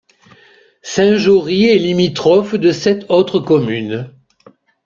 Saint-Jory est limitrophe de sept autres communes.